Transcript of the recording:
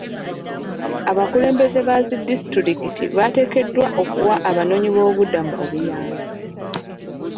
Abakulembeze ba zi disitulikikiti bateekeddwa okuwa abanoonyiboobubuddamu obuyambi .